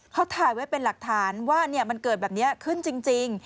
เขาถ่ายไว้เป็นหลักฐานว่ามันเกิดแบบนี้ขึ้นจริง